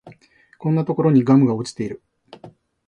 こんなところにガムが落ちてる